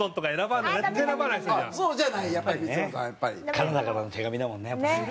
『カナダからの手紙』だもんねやっぱね。